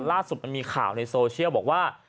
ล่าสุดมันมีข่าวในโซเชียลบอกว่า